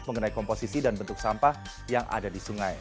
mengenai komposisi dan bentuk sampah yang ada di sungai